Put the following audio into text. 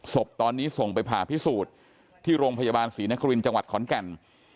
ศพตอนนี้ส่งไปผ่าพิสูจน์ที่โรงพยาบาลศรีนครินทร์จังหวัดขอนแก่น